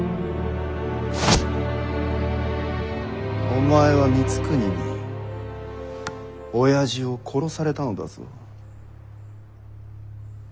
お前は光圀におやじを殺されたのだぞ。